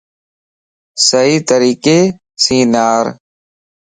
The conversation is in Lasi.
صحيح طريقي سين نار